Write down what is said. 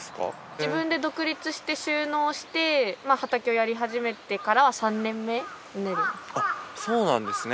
自分で独立して就農して畑をやり始めてからそうなんですね。